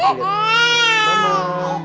cuk cuk cuk